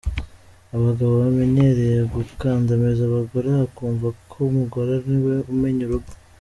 Abagabo bamenyereye gukandamiza abagore akumva ko umugore niwe umenya urugo.